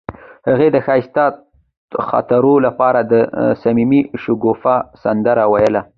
هغې د ښایسته خاطرو لپاره د صمیمي شګوفه سندره ویله.